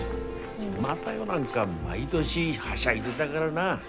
雅代なんか毎年はしゃいでだからな。